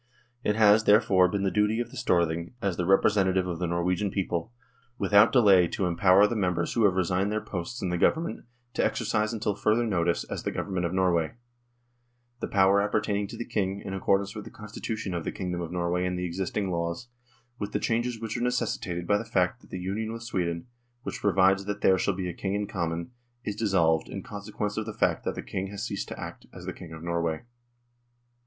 It has, therefore, been the duty of the Storthing, as the representative of the Norwegian people, without delay to empower THE DISSOLUTION OF THE UNION 113 the members who have resigned their posts in the Government to exercise until further notice, as the Government of Norway, the power appertaining to the King in accordance with the Constitution of the king dom of Norway and the existing laws, with the changes which are necessitated by the fact that the Union with Sweden, which provides that there shall be a King in common, is dissolved in consequence of the fact that the King has ceased to act as King of Norway.